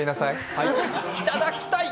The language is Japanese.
はい、いただきたい！